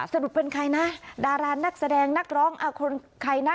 สรุปเป็นใครนะดารานักแสดงนักร้องคนใครนะ